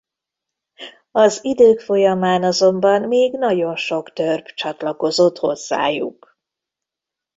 Az idők folyamán azonban még nagyon sok törp csatlakozott hozzájuk.